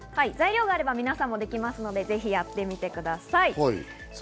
材料があればみなさんも出来ますので、ぜひやってみてください。